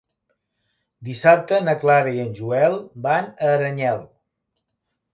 Dissabte na Clara i en Joel van a Aranyel.